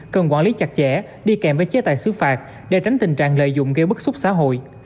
cần quản lý chặt chẽ đi kèm với chế tài xứ phạt để tránh tình trạng lợi dụng gây bức xúc xã hội